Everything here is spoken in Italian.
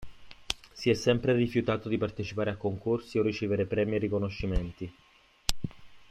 Si è sempre rifiutato di partecipare a concorsi o ricevere premi e riconoscimenti.